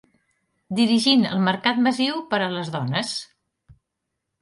Dirigint el mercat massiu per a les dones.